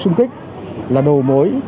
xung kích là đầu mối